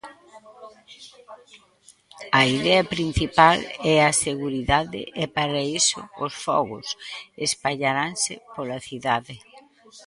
A idea principal é a seguridade e para iso os fogos espallaranse pola cidade.